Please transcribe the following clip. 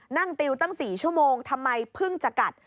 ติวตั้ง๔ชั่วโมงทำไมเพิ่งจะกัด